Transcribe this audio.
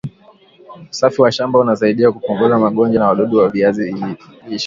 usafi wa shamba unasaidia kupunguza magonjwa na wadudu wa viazi lishe